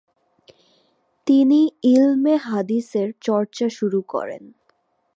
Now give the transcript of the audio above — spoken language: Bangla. তিনি ইলমে হাদীসের চর্চা শুরু করেন।